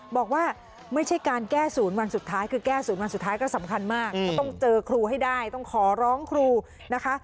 บอกว่าไม่ใช่การแก้ศูนย์วันสุดท้ายคือแก้ศูนย์วันสุดท้ายก็สำคัญมากก็ต้องเจอครูให้ได้ต้องขอร้องครูนะคะ